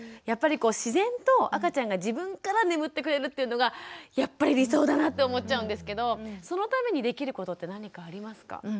やっぱりこう自然と赤ちゃんが自分から眠ってくれるというのがやっぱり理想だなって思っちゃうんですけどそのためにできることって何かありますか？